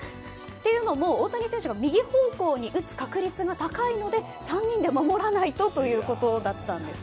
というのも、大谷選手が右方向に打つ確率が高いので３人で守らないとということだったんです。